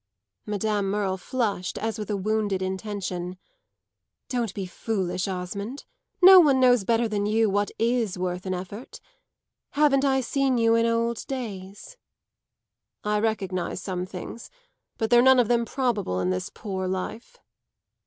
Madame Merle flushed as with a wounded intention. "Don't be foolish, Osmond. No one knows better than you what is worth an effort. Haven't I seen you in old days?" "I recognise some things. But they're none of them probable in this poor life."